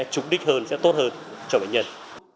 trúng đích hơn sẽ tốt hơn cho bệnh nhân